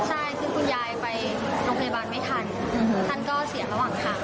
ใช่คือคุณยายไปโรงพยาบาลไม่ทันท่านก็เสียระหว่างทาง